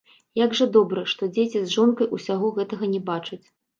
Як жа добра, што дзеці з жонкай усяго гэтага не бачаць.